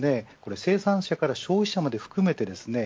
生産者から消費者まで含めてですね